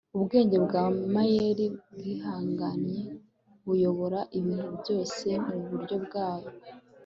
Ubwenge bwamayeri bwihangane buyobora ibintu byose muburyo bwabwo